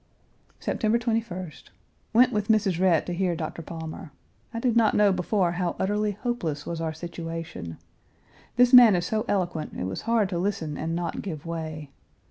September 21st. Went with Mrs. Rhett to hear Dr. Palmer. I did not know before how utterly hopeless was our situation. This man is so eloquent, it was hard to listen and not give way.